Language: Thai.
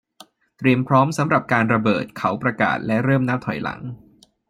เตรียมพร้อมสำหรับการระเบิดเขาประกาศและเริ่มนับถอยหลัง